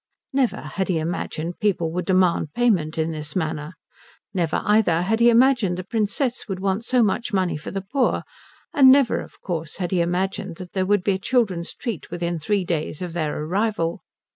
Never had he imagined people would demand payment in this manner. Never, either, had he imagined the Princess would want so much money for the poor; and never, of course, had he imagined that there would be a children's treat within three days of their arrival.